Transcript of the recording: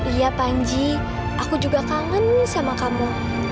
iya panji aku juga kangen sama kamu